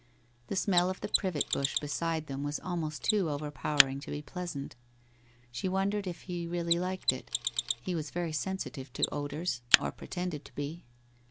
The smell of the privet bush beside them was almost too over powering to be pleasant. She wondered if he really liked it, he was very sensitive to odours or pretended to be.